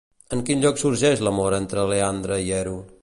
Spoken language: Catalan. En quin lloc sorgeix l'amor entre Leandre i Hero?